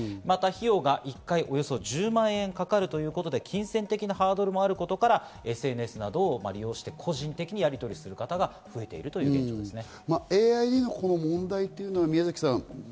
また費用が１回およそ１０万円かかるということで、金銭的なハードルもあることからＳＮＳなどを利用して個人的にやりとりする方が増えているということです。